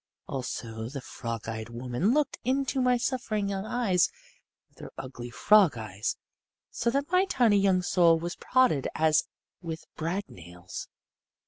Also the frog eyed woman looked into my suffering young eyes with her ugly frog eyes so that my tiny young soul was prodded as with brad nails.